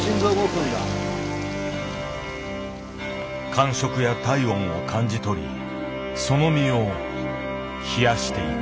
感触や体温を感じ取りその身を冷やしていく。